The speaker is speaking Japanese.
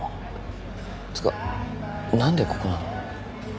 つうか何でここなの？